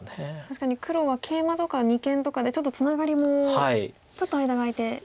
確かに黒はケイマとか二間とかでツナガリもちょっと間が空いて。